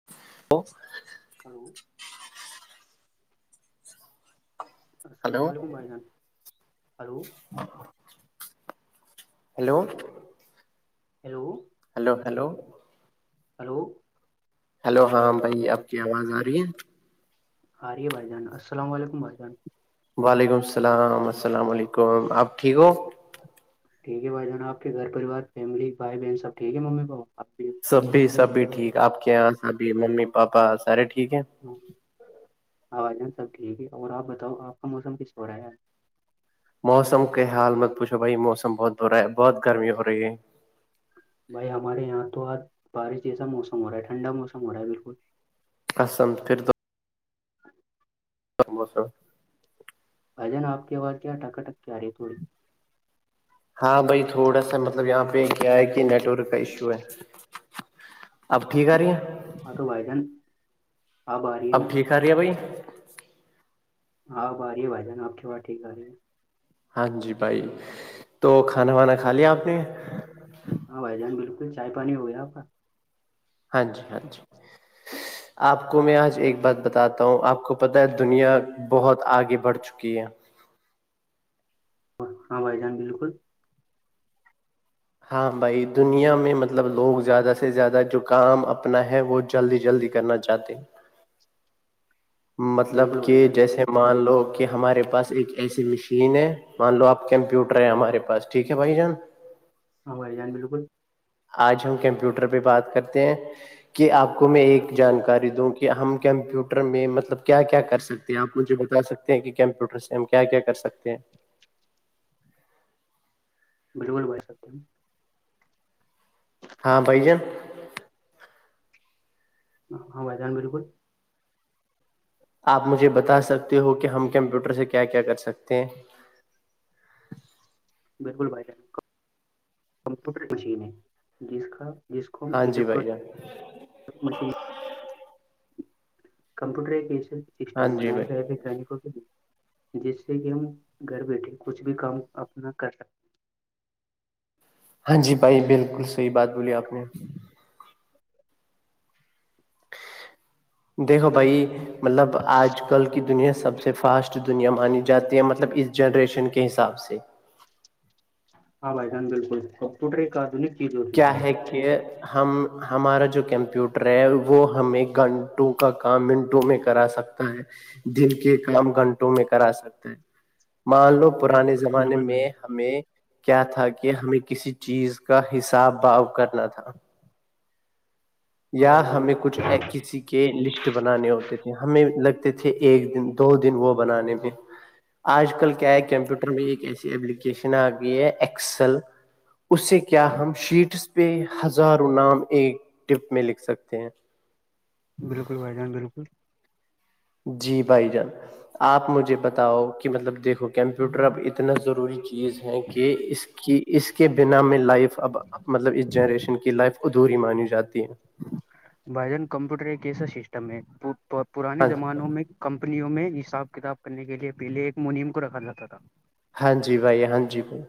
ا [inaudible] hello السلام hello علیکم بھائی جان hello hello hello hello hello hello hello ہاں بھائی آپ کی آواز آ رہی ہے آپ رہی ہے بھائی جان السلام علیکم بھائی جان وعلیکم السلام السلام علیکم اپ ٹھیک ہو ٹھیک ہے بھائی جان آپ گھر پریوار فیملی بھائی بہن سب ٹھیک ہے ممی پاپا آپ بھی سبھی سبھی ٹھیک آپ کے یہاں سبھی ممی پاپا سارے ٹھیک ہیں ہاں بھائی جان سب ٹھیک ہے اور آپ بتاؤ آپ کا موسم کیسا ہو رہا ہے موسم کے حال مت پوچھو بھائی موسم بہت برا ہے بہت گرمی ہو رہی ہے بھائی ہمارے یہاں تو آج بارش جیسا موسم ہو رہا ہے ٹھنڈا موسم ہو رہا ہے بالکل قسم پھر تو [inaudible] [inaudible] بھائی جان آپ کی آواز کیا اٹک اٹک کے آ رہی ہے تھوڑی [inaudible] [inaudible] ہاں بھائی تھوڑا سا مطلب یہاں پہ کیا ہے کہ نیٹ ورک کا ایشو ہے اب ٹھیک آ رہی ہیں ہاں تو بھائی جان اب آ رہی ہے نا آ رہی ہے بھائی ہاں اب آ رہی بھائی جان آپ کی بات ٹھیک آ رہے ہیں ہاں جی بھائی تو کھانا وانا کھا لیا آپ نے ہاں بھائی جان بالکل چائے پانی ہو گیا آپ کا ہاں جی ہاں جی آپ کو میں آج ایک بات بتاتا ہوں آپ کو پتہ ہے دنیا بہت آگے بڑھ چکی ہے ہاں بھائی جان بالکل ہاں بھائی دنیا میں مطلب لوگ زیادہ سے زیادہ جو کام اپنا ہے وہ جلدی جلدی کرنا چاہتے مطلب بالکل بھائی کہ جان جیسے مان لو کہ ہمارے پاس ایک ایسی مشین ہے مان لو آپ کمپیوٹر ہیں ہمارے پاس ٹھیک ہے بھائی جان ہاں بھائی جان بالکل آج ہم کمپیوٹر پہ بات کرتے ہیں کہ آپ کو میں ایک جانکاری دوں کہ ہم کمپیوٹر میں مطلب کیا کیا کر سکتے آپ مجھے بتا سکتے ہیں کہ کمپیوٹر سے ہم کیا کیا کر سکتے ہیں بالکل بھائ بتا سکتے ہیں ہاں بھائی جان ہاں بھائی جان بالکل آپ مجھے بتا سکتے ہو کہ ہم کمپیوٹر سے کیا کیا کر سکتے ہیں بالکل بھائی جان کمپیوٹر ایک مشین ہے جس کا جس کو ہم الیکٹرانک ج مشین کمپیوٹر ایک ایسے ہاں سسٹم جی بنائے بھائی گئے ویگانکوں کے لیے جس سے کہ ہم گھر بیٹھے کچھ بھی کام اپنا کر سکتے ہاں جی بھائی بالکل صحیح بات بولی آپ نے دیکھو بھائی مطلب آج کل کی دنیا سب سے فاسٹ دنیا مانی جاتی ہے مطلب اس جنریشن کے حساب سے ہاں بھائی جان بالکل کمپیوٹر ایک چیز ہو کیا چکی ہے کہ ہم ہمارا جو کمپیوٹر ہے وہ ہمیں گھنٹوں کا کام منٹوں میں کرا سک تا ہے دن کے کام گھنٹوں میں کرا سکتا ہے مان لو پرانے سے زمانے بالکل بھائی میں ہمیں کیا تھا کہ ہمیں کسی چیز کا حساب باب کرنا تھا ہاں یا بھائی جان ہمیں کچھ بالکل کسی کے لسٹ بنانے ہوتے تھے ہمیں لگتے تھے ایک دن دو دن وہ بنانے میں آج کل کیا ہے کمپیوٹر میں ایک ایسی ایلیکیشن آ گئی ہے ایکسل اس سے کیا ہم شیٹس پہ ہزاروں نام ایک ٹپ میں لکھ سکتے ہیں بالکل بھائی جان بالکل جی بھائی جان آپ مجھے بتاؤ کہ مطلب دیکھو کمپیوٹر اب اتنا ضروری چیز ہے کہ اس کے کہ اس کے بنا میں لائف اب مطلب اس جنریشن کی لائف ادھوری مانی جاتی ہے بھائی جان کمپیوٹر ایک کیسا سسٹم ہے پرانے ہاں زمانوں میں کمپنیوں میں حساب کتاب کرنے کے لیے پہلے ایک منیم کو رکھا جاتا تھا ہاں جی بھائی ہاں جی بھائی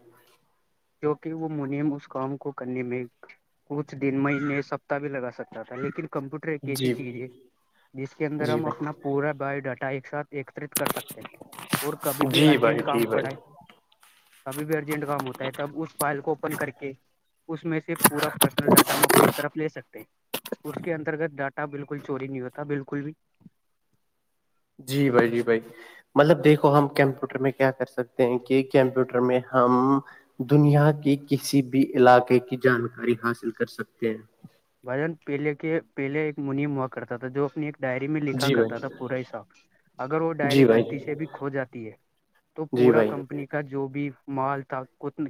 کیونکہ وہ منیم اس کام کو کرنے میں کچھ دن مہینے سپتتاہ بھی لگا سکتا تھا لیکن کمپیوٹر ایک ایسی جی چیز ہے جس کے اندر جی ہم اپنا بھائی پورا بایو ڈاٹا ایک ساتھ ایکترت کر سکتے اور کبھی بھی جی بھائی ارجنٹ کام جی بھائی پڑے کبھی بھی ارجنٹ کام ہوتا ہے تب اس فائل کو اوپن کر کے اس میں سے پورا پرسنل ڈاٹا ہم اپنی طرف لے سکتے ہیں اس کے انترگت ڈاٹا بالکل چوری نہیں ہوتا بالکل بھی جی بھائی جی بھائی مطلب دیکھو ہم کمپیوٹر میں کیا کر سکتے ہیں کہ کمپیوٹر میں ہم دنیا کے کسی بھی علاقے کی جانکاری حاصل کر سکتے ہیں بھجن پہلے کے پہلے ایک منی ہوا کرتا تھا جو اپنی ایک ڈائری میں لکھا جی کرتا تھا بھائی پورا حساب اگر وہ جی ڈائری بھائی غلطی سے بھی کھو جاتی ہے تو جی پورا بھائی کمپنی کا جو بھی مال تھا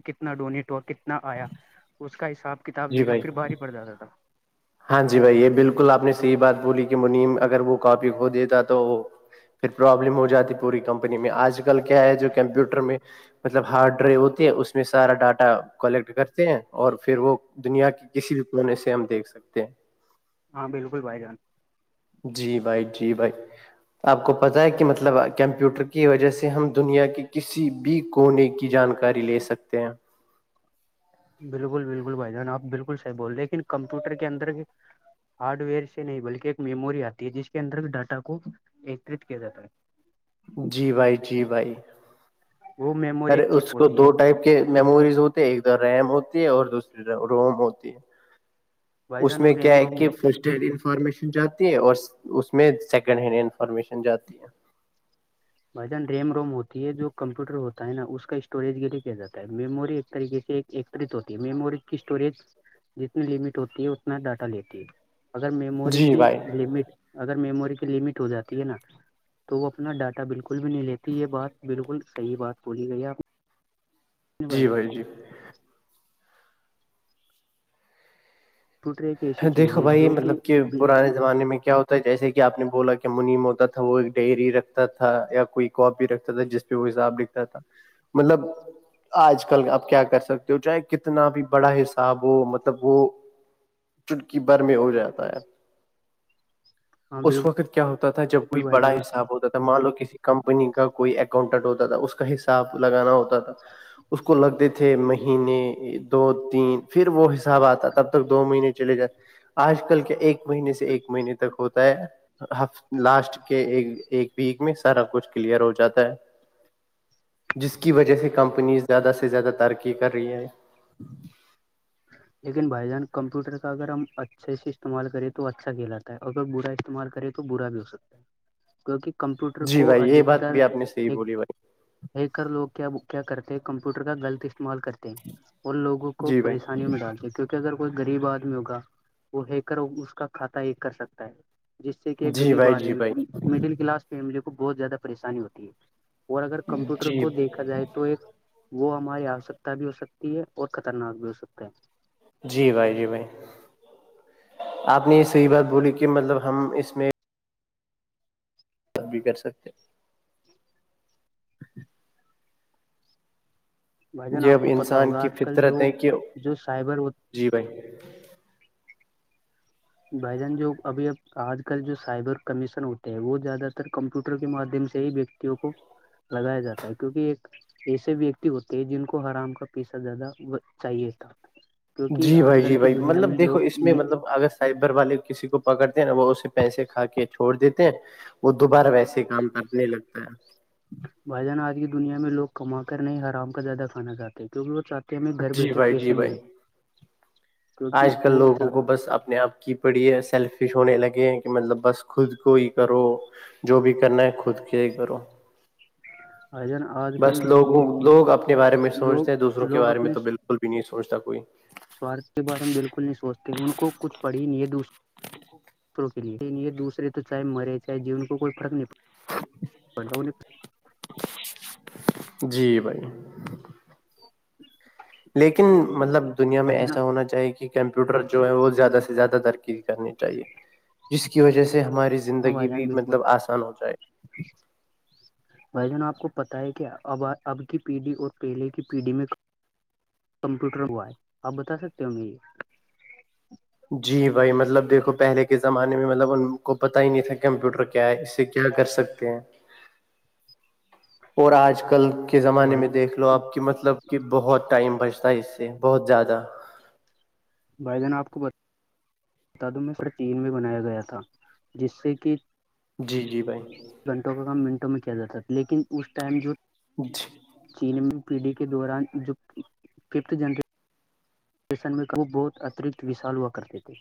کتنا ڈونیٹ اور کتنا آیا اس کا حساب کتاب جی لینا بھائی پھر باہر پڑ جاتا تھا ہاں جی بھائی یہ بالکل آپ نے صحیح بات بولی کہ منیم اگر وہ کاپی کھ دیےتا تو پھر پرابلم ہو جاتی پوری کمپنی میں آج کل کیا ہے جو کمپیوٹر میں مطلب ہارڈ ڈرائیو ہوتی ہے اس میں سارا ڈاٹا کلیکٹ کرتے ہیں اور پھر وہ دنیا کے کسی بھی پرونے سے ہم دیکھ سکتے ہیں ہاں بالکل بھائی جان جی بھائی جی بھائی آپ کو پتاہ ہے کہ مطلب کمپیوٹر کی وجہ سے ہم دنیا کی کسی بھی کونے کی جانکاری لے سکتے ہیں بالکل بالکل بھائی جان آپ بالکل صحیح بول رہے ہیں لیکن کمپیوٹر کے اندر ہارڈ ویئر سے نہیں بلکہ ایک میموری آتی ہے جس کے اندر ڈاٹا کو ایکترت کیا جاتا ہے جی بھائی جی بھائی وہ میموری ارے ایک اس چپ کو ہوتی ہے دو ٹائپ کے میموریز ہوتے ایک تو ریم ہوتی ہے اور دوسری روم ہوتی ہے بھائی اس جان میں اور کیا ریم ہے روم کہ ف ڈیل انفارمیشن جاتی ہے اور اس میں سیکنڈ ہینڈ انفارمیشن جاتی ہے بھائی جان ریم روم ہوتی ہے جو کمپیوٹر ہوتا ہے نا اس کا اسٹوریج کے لیے کیا جاتا ہے میموری ایک طریقے سے ایک ایکتت ہوتی ہے میموری کی اسٹوریج جتنی لمٹ ہوتی ہے اتنا ڈاٹا لیتی ہے اگر میموری جی کی بھائی لمٹ اگر میموری کی لمٹ ہو جاتی ہے نا تو وہ اپنا ڈاٹا بالکل بھی نہیں لیتی یہ بات بالکل صحیح بات بولی گئی آ جی بھائی جی ٹرے دیکھو بھائی مطلب کہ پرانے زمانے میں کیا ہوتا جیسے کہ آپ نے بولا کہ منیم ہوتا تھا وہ ایک ڈیری رکھتا تھا یا کوئی کاپی رکھتا تھا جس وہ حساب دکھتا تھا مطلب آج کل آپ کیا کر سکتے ہو چاہے کتنا بھی بڑا حساب ہو مطلب وہ چٹکی بر میں ہو جاتا ہے ہاں اس بالکل وقت کیا ہوتا تھا جب کوئی بھائی بڑا جان حساب ہوتا تھا مان لو کسی کمپنی کا کوئی اکاؤنٹنٹ ہوتا تھا اس کا حساب لگانا ہوتا تھا اس کو لگتے تھے مہینے دو تین پھر وہ حساب آتا تب تک دو مہینے چلے جائ آج کل کیا ایک مہینے سے ایک مہینے تک ہوتا ہے ہف لاسٹ کے ایک ویک میں سارا کچھ کلیئر ہو جاتا ہے جس کی وجہ سے کمپنی زیادہ سے زیادہ ترقی کر رہی ہیں لیکن بھائی جان کمپیوٹر کا اگر ہم اچھے سے اسعمال کرے تو اچھا کھیلااتے اور اگر برا استعمال کرے تو برا بھی ہو سکتا ہے کیونکہ کمپیوٹر جی کو بھائی یہ بات ادکتر بھی آپ نے صحیح ایک بولی بھائی ہے کر لوگ کیا کرتے ہیں کمپیوٹر کا غلط استعمال کرتے ہیں اور لوگوں کو جی بھائی پانی میں ڈالتے کیکہ اگر کوئی غریب آدمی ہوا وہ ہے کر اس کا کھاتہ ایک کر سکتا ہے جس سے کہ جی غریب بھائی جی آدمی بھائی کو مڈل کلاس فیملی کو بہت زیادہ پریشانی ہوتی ہے اور اگر کمپیوٹر جی کو دیکھا جائے تو ایک وہ ہماری آوشکتا بھی ہو سکتی ہے اور خطرناک بھی ہو سکتا ہے جی بھائی جی بھائی آپ نے یہ صحیح بات بولی کہ مطلب ہم اس میں بات بھی کر سکتے بھائی جان یہ آپ اب کو پتا انسان ہوگا کی آج کل فطرت جو ہے کہ جو سائبر جی بھائی بھائی جان جو ابھی اب آج کل جو سائبر کمیشن ہوتے ہے وہ زیادہ تر کمپیوٹر کے مادھیم سے ہییک کو لگایا جاتا ہے کیونکہ ایک ایسے ویکتی ہوتے ہیں جن کو آرام کا پیسہ زیادہ چاہیے تھا کیونکہ جی آج بھائی جی کل کی بھائی دنیا مطلب میں دیکو لوگ اس میں مطلب اگست سائبر والے کسی کو پکڑتے ہیں نا وہ اسے پیسے کھا کے چھوڑ دیتے ہیں وہ دوبارہ ویسے کام کرنے لگتا ہے بھائی جان آج کی دنیا میں لوگ کما کر نہیں آرام کا زیادہ کھانا چاہتے ہیں کیک وہ چاہتے ہم میں گھر جی بیٹھے بھائی جی پیسے بھائی ملے آج کیونکہ کل وہ لوگوں کو بس اپنے آپ کی پڑھیے سیلفیش ہونے لگے ہیں کہ مطلب بس خود کوو ہی کرو جو بھی کرنا ہے خود کے ہی کرو ہ ان آ بس لوگوں لوگ اپنے بارے میں لوگ سوچتے ہیں دوسروں کے لوگ بارے میں تو بالکل بھی نہیں سوچتا کوئی سوارتھ کے بارے میں بالکل نہیں سوچتے ان کو کچھ پڑھی ہی نہیں دوسر دوسروں کے لیے دوسرے تو چاہے مرے چاہے جییےان کو کوئی فرق نہیں پڑتا [inaudible] جی بھائی لیکن مطلب دنیا میں جان ایسا ہونا چاہیے کہ کمپیوٹر جو ہے وہ زیادہ سے زیادہ ترقی کرنی چاہیے جس کی وجہ سے ہماری ہاں زندگی بھائی بھی جان بالکل مطلب آسان ہو جائے بھائی جان آپ کو پت ہے کہ اب اب کی پیڑھی اور پہلے کی پیڑھی میں کمپیوٹر ہوا ہے آپ بتا سکتے ہو یہ جی بھائی مطلب دیکھو پہلے کے زمانے میں مطلب ان کو پتاہ ہی نہیں تھا کمپیوٹر کیا ہے اس سے کیا کر سکتے ہیں اور آج کل کے زمانے میں بھائی دیکھ لو آپ کہ مطلب کہ بہت ٹائم بچتا ہے اس سے بہت زیادہ بھائی جان آپ کو بتا دوں میں پورے ٹیم میں بنایا گیا تھا جس سے کہ جی جی بھائی گھنٹوں کا کام منٹوں میں کیا جاتا تھا لیکن اس ٹائم جو جی [inaudible] پی ڈی کے دوران جو ففتھ جنریش میں وہ بہت اترکت وشال ہوا کرتے تھے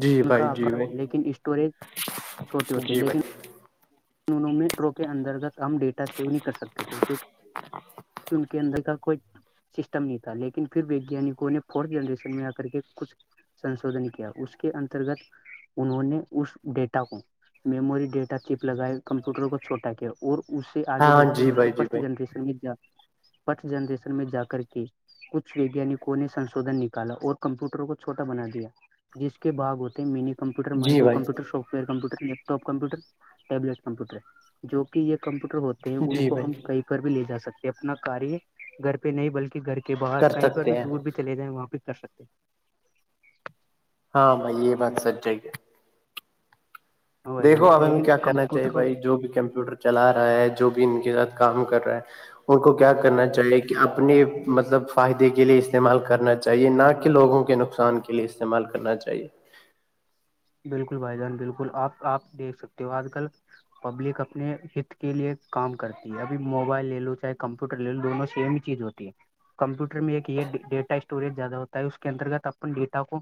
جی ان کا بھائی جی آکڑا بھائی لیکن اسٹوریج چھوٹی ہوتی جی بھائی لیکن دونوں میٹرو کے اندر کا کام ڈیٹا سیو نہیں کر سکتے تھے کیونکہ ان کے اندر کا کوئی سسٹم نہیں تھا لیکن پھر ویگیانکوں نے فورتھ جنریشن میں آ کر کے کچھ سنشوجن کیا اس کے انترگت انہوں نے اس ڈیٹا کو میموری ڈیٹا کے لگائے کمپیوٹر کو چوٹا کے اور اسے آگے ہاں ہاں بڑھتے جی بڑھتے بھائی جی فسٹ بھائی جنریشن فسٹ جنریشن میں جا کر کے کچھ ویگانکوں نے سنشوھن نکالا اور کمپیوٹروں کو چھوٹا بنا دیا جس کے باگ ہوتے مین کمپیٹر جی مائیکو بھائی computer software computer laptop computer tablet computer جو کہ یہ کمپیوٹر ہوتے ہیں ان جی کو بھائی ہم کئی پر بھی لے جا سکتے اپنا کاریہ گھر پہ نہیں بلکہ گھر کے باہر کر کہیں پر بھی سکتے دور ہیں بھی چلے جائیں وہاں بھی کر سکتے ہیں ہاں بھائی یہ بات سچائے ہیں ہاں بھائی جان دیکھو اب ہمیں لیکن کیا کہنا چاہیے کمپیوٹر بھائی جو بھی کمپیوٹر چلا رہا ہے جو بھی ان کے ساتھ کام کر رہا ہے ان کو کیا کرنا چاہیے کہ اپنے مطلب فائدے کے لیے استعمال کرنا چاہیے نہ کہ لوگوں کے نقصان نقصان کے لیے استعمال کرنا چاہیے بالکل بھائی جان بالکل آپ آپ دیکھ سکتے ہو آج کل پبلک اپنے ہت کے لیے کام کرتی ہے ابھی موبائل لے لو چاہے کمپیوٹر لے لو دونوں سیم چیز ہوتی ہے کمپیوٹر میں ایک یہ ڈیٹا اسٹوریج زیادہ ہوتا ہے اس کے انترگت اپنے ڈیٹا کو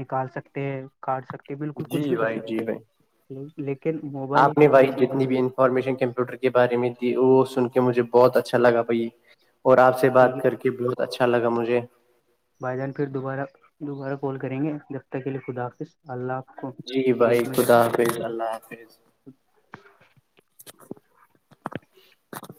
نکال سکتے ہیں کاٹ سکتے جی بالکل کچھ جی بھی کر بھائی جی سکتے بھائی ہیں لیکن موبائل آپ ایک نے ایسی بھائی چیز جتنی بھی انفارمیشن کمپیوٹر کے بارے میں دی وہ سن کے مجھے بہت اچھا لگا بھائی اور آپ سے ٹھیک بات ہے کر کے بہت اچھا لگا مجھے بھائی جان پھر دوبارہ دوبارہ کال کریں گے تب تک کے لیے خدا حافظ اللہ آپ کو جی بھائی خریت میں خدا رکھیں حافظ اللہ حافظ